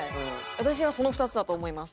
私はその２つだと思います。